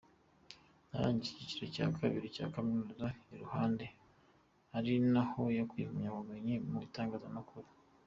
Yarangije icyiciro cya kabiri cya Kaminuza i Ruhande, ari naho yakuye impamyabumenyi mu itangazamakuru.